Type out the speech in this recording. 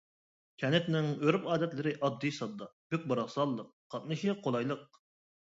كەنتنىڭ ئۆرپ-ئادەتلىرى ئاددىي-ساددا، بۈك-باراقسانلىق، قاتنىشى قولايلىق.